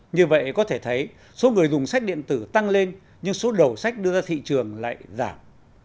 như vậy có thể thấy số người dùng sách điện tử tăng lên nhưng số đầu sách đưa ra thị trường lại giảm